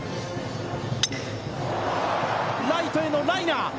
ライトへのライナー。